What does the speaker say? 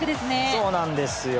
そうなんですよ。